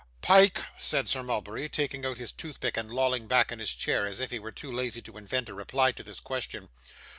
'Pyke,' said Sir Mulberry, taking out his toothpick and lolling back in his chair, as if he were too lazy to invent a reply to this question.